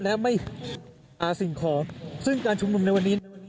และไม่สิ่งของซึ่งการชุมนุมในวันนี้